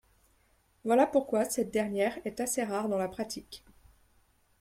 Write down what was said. Voilà pourquoi cette dernière est assez rare dans la pratique.